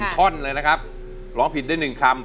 ท่อนเลยนะครับร้องผิดได้๑คำ